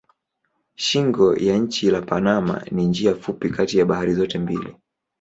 Shingo ya nchi la Panama ni njia fupi kati ya bahari zote mbili.